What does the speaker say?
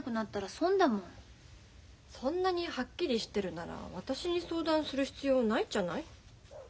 そんなにはっきりしてるなら私に相談する必要ないじゃない？